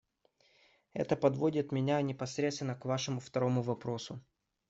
Это подводит меня непосредственно к Вашему второму вопросу.